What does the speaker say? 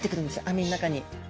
網の中に。